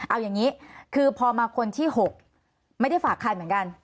เอาอย่างนี้คือพอมาคนที่๖ไม่ได้ฝากคันเหมือนกัน